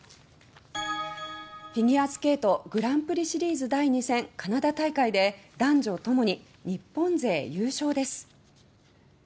フィギュアスケートグランプリシリーズ第２戦カナダ大会で男女ともに日本勢優勝です。